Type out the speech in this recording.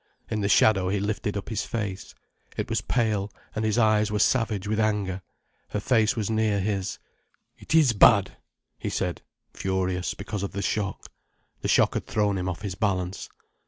In the shadow he lifted up his face. It was pale, and his eyes were savage with anger. Her face was near his. "It is bad," he said furious because of the shock. The shock had thrown him off his balance.